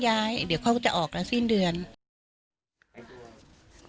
บางทีเขาถีบปุ้บละ